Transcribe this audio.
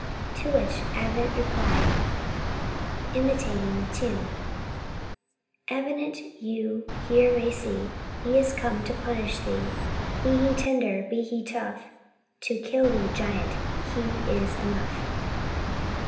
To which Avenant replied, imitating the tune "Avenant you here may see, He is come to punish thee: Be he tender, be he tough, To kill thee, giant, he is enough."